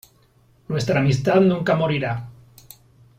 Nuestra amistad nunca morirá .